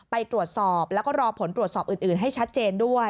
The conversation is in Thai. ไปตรวจสอบแล้วก็รอผลตรวจสอบอื่นให้ชัดเจนด้วย